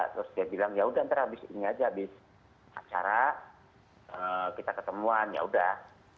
terus dia bilang yaudah ntar habis ini aja habis acara kita ketemuan yaudah